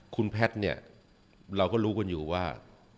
คุณแพทย์เนี่ยเราก็รู้กันอยู่ว่า